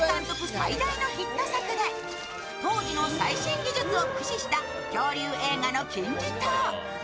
最大のヒット作で、当時の最新技術を駆使した恐竜映画の金字塔。